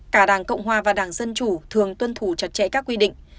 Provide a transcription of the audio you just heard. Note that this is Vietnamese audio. cả đảng cộng hòa và đảng dân chủ thường tuân thủ chặt chẽ các quy định